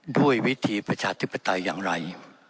ด้วยวิธีประชาธิปไตยอย่างไร